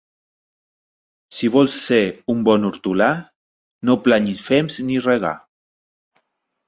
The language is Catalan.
Si vols ser bon hortolà, no planyis fems ni regar.